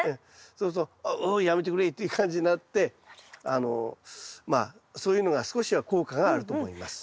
そうすると「ううっやめてくれ」っていう感じになってあのまあそういうのが少しは効果があると思います。